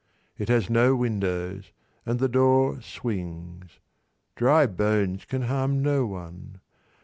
It has no windows, and the door swings, Dry bones can harm no one.